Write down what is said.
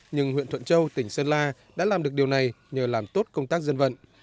nhưng huyện thuận châu tỉnh sơn la đã làm được điều này nhờ làm tốt công tác dân vận